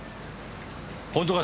本当か？